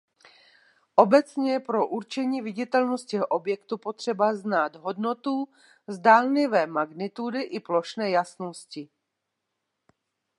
Obecně je pro určení viditelnosti objektu potřeba znát hodnotu zdánlivé magnitudy i plošné jasnosti.